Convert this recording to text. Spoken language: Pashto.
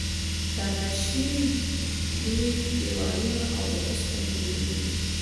تلاشۍ دي، دیوالونه او اوسپنې میلې دي.